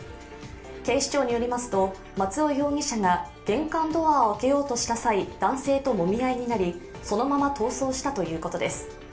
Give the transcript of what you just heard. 警視庁によりますと、松尾容疑者が玄関ドアを開けようとした際男性ともみ合いになり、そのまま逃走したということです。